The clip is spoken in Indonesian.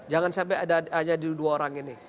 jangan sampai ada hanya di dua orang ini